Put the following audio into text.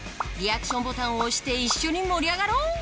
リアクションボタンを押して一緒に盛り上がろう！